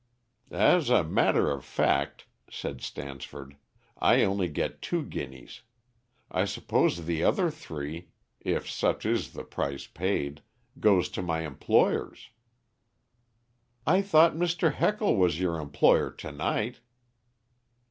"As a matter of fact," said Stansford, "I get only two guineas. I suppose the other three, if such is the price paid, goes to my employers." "I thought Mr. Heckle was your employer tonight?"